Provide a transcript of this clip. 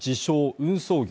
運送業